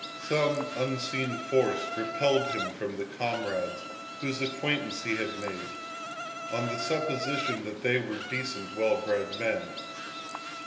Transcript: Some unseen force repelled him from the comrades whose acquaintance he had made, on the supposition that they were decent, well bred men.